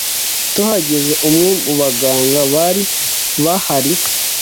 Tuhageze umwe mu baganga bari bahari